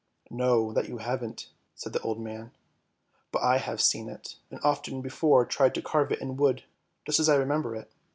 "" No, that you haven't," said the old man; " but I have seen it, and often before tried to carve it in wood, just as I remember it.